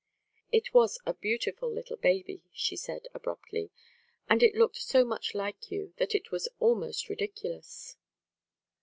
"It was a beautiful little baby," she said, abruptly. "And it looked so much like you that it was almost ridiculous."